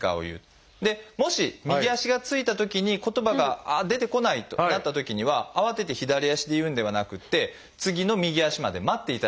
もし右足がついたときに言葉がああ出てこないとなったときには慌てて左足で言うんではなくって次の右足まで待っていただいて結構です。